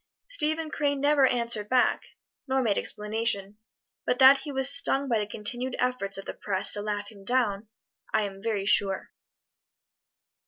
Stephen Crane never answered back, nor made explanation, but that he was stung by the continued efforts of the press to laugh him down, I am very sure.